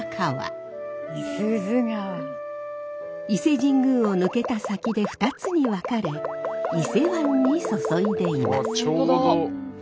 伊勢神宮を抜けた先で二つに分かれ伊勢湾に注いでいます。